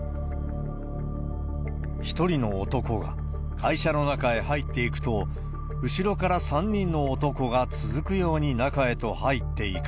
１人の男が、会社の中へ入っていくと、後ろから３人の男が続くように中へと入っていく。